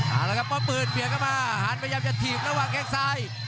เอาละครับเพราะปืนเบียดเข้ามาหันพยายามจะถีบระหว่างแข้งซ้าย